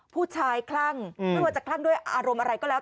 คลั่งไม่ว่าจะคลั่งด้วยอารมณ์อะไรก็แล้ว